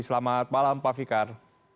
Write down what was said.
selamat malam pak fikar